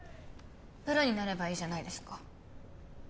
プロになればいいじゃないですか。